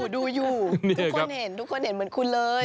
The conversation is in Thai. ดูอยู่ดูอยู่ทุกคนเห็นเหมือนคุณเลย